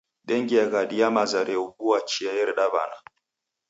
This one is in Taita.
Dengia ghadi ya maza rebomua chia ereda w'ana.